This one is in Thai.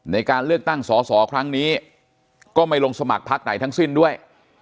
ในการเลือกตั้งสอสอครั้งนี้ก็ไม่ลงสมัครพักไหนทั้งสิ้นด้วย